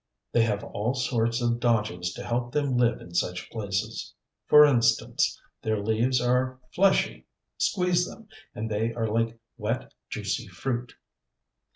They have all sorts of dodges to help them live in such places. For instance, their leaves are fleshy. Squeeze them, and they are like wet, juicy fruit.